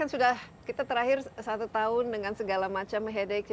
kita sudah terakhir satu tahun dengan segala macam headache